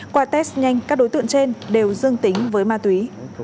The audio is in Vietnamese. qua test nhanh các đối tượng trên đều dương tính với ma túy